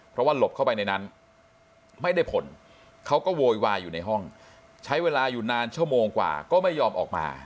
เพราะว่าหลบเข้าไปในนั้นไม่ได้ผลเขาก็โวยวายอยู่ในห้องใช้เวลาอยู่นานชั่วโมงกว่าก็ไม่ยอมออกมา